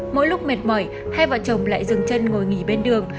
mỗi lúc mệt mỏi hai vợ chồng lại dừng chân ngồi nghỉ bên đường